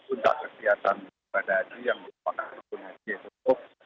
untuk kegiatan kepada haji yang disusul di jumat